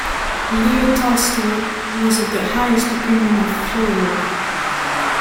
Leo Tolstoy was of the highest opinion of Fyodorov.